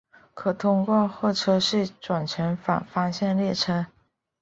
可通过候车室转乘反方向列车。